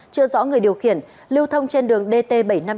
chưa rõ người điều khiển lưu thông trên đường dt bảy trăm năm mươi